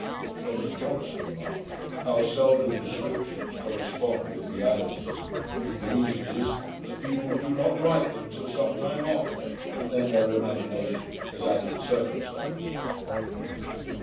Dr Johnson remarked, 'how seldom descriptions correspond with realities; and the reason is, that people do not write them till some time after, and then their imagination has added circumstances'.